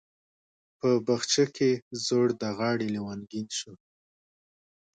په بخچه کې زوړ د غاړي لونګین شو